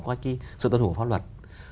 qua cái sự tân hữu của pháp luật